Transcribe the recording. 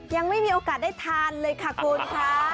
ยังไม่มีโอกาสได้ทานเลยค่ะคุณค่ะ